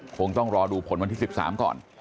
คงต้องรอดูผลวันที่๑๓ก่อน